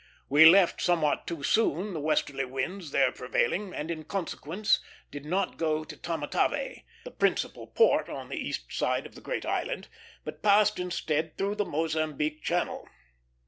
We left somewhat too soon the westerly winds there prevailing, and in consequence did not go to Tamatave, the principal port, on the east side of the great island, but passed instead through the Mozambique Channel.